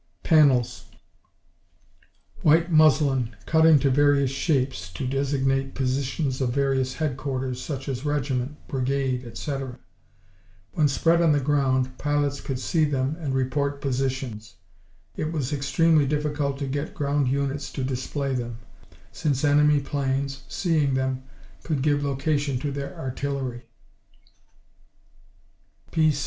Panels White muslin, cut into various shapes, to designate positions of various headquarters, such as Regiment, Brigade, etc. When spread on the ground, pilots could see them and report positions. It was extremely difficult to get ground units to display them, since enemy planes, seeing them, could give location to their artillery.